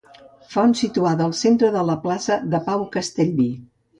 Font situada al centre de la plaça de Pau Castellví.